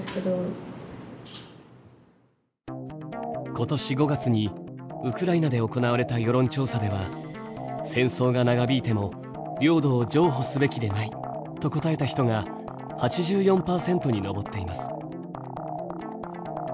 今年５月にウクライナで行われた世論調査では「戦争が長引いても領土を譲歩すべきでない」と答えた人が８４％に上っています。